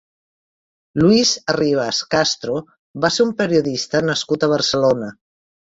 Luis Arribas Castro va ser un periodista nascut a Barcelona.